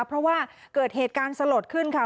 เพราะว่าเกิดเหตุการณ์สลดขึ้นค่ะ